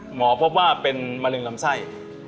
หมอพบว่าเป็นมะเร็งลำไส้